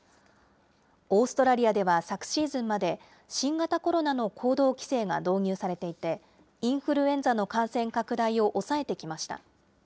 オーストラリアでは昨シーズンまで、新型コロナの行動規制が導入されていて、インフルエンザの感染拡大を抑えてきました。